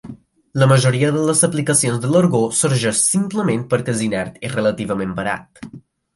La majoria de les aplicacions de l'argó sorgeix simplement perquè és inert i relativament barat.